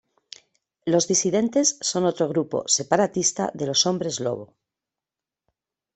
Los Disidentes son otro grupo separatista de los hombres lobo.